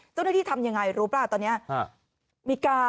เจ้าหน้าที่ทำยังไงรู้ป่าวตอนนี้